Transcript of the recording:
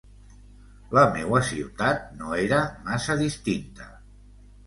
La meua ciutat no era massa distinta.